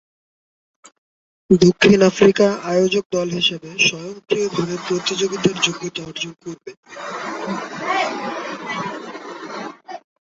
দক্ষিণ আফ্রিকা আয়োজক দল হিসাবে স্বয়ংক্রিয়ভাবে প্রতিযোগিতার যোগ্যতা অর্জন করবে।